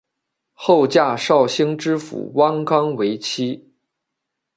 后嫁绍兴知府汪纲为妻。